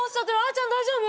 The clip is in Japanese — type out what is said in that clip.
あちゃん大丈夫？